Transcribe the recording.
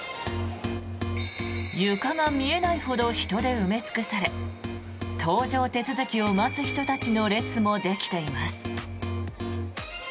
床が見えないほど人で埋め尽くされ搭乗手続きを待つ人たちの列もできています。